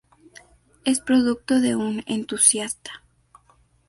Es producto de un entusiasta.